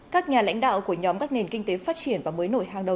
các nhà lãnh đạo của nhóm các nền kinh tế phát triển và mới nổi hàng đầu